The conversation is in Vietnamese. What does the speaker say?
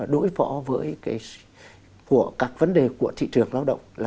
đối phó với các vấn đề của thị trường lao động